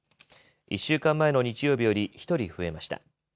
１週間前の日曜日より１人増えました。